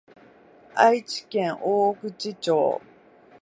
愛知県大口町